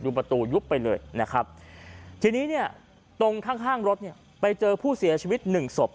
ประตูยุบไปเลยนะครับทีนี้เนี่ยตรงข้างข้างรถเนี่ยไปเจอผู้เสียชีวิตหนึ่งศพ